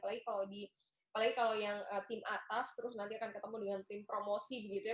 apalagi kalau yang tim atas terus nanti akan ketemu dengan tim promosi begitu ya